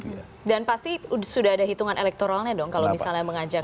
dan pasti sudah ada hitungan elektoralnya dong kalau misalnya mengajak